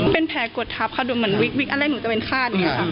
เป็นแผลกวดทัพค่ะดูเหมือนวิกวิกอันแรกหนูจะเป็นฆาตค่ะ